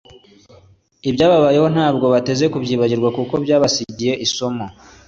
Ibyababayeho ntabwo bateze kubyibagirwa kuko byabasigiye isomo